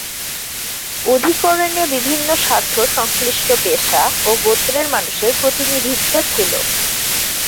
অধিকরণে বিভিন্ন স্বার্থ সংশ্লিষ্ট পেশা ও গোত্রের মানুষের প্রতিনিধিত্ব ছিল।